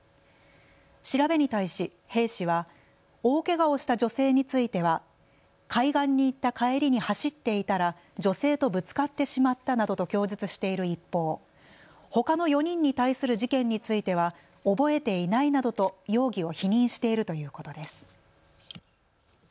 調べに対し兵士は大けがをした女性については海岸に行った帰りに走っていたら女性とぶつかってしまったなどと供述している一方、ほかの４人に対する事件については覚えていないなどと容疑を否認しているということです。